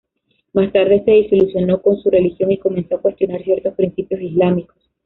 Más tarde se desilusionó con su religión y comenzó a cuestionar ciertos principios islámicos.